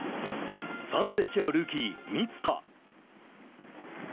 サンフレッチェのルーキー満田。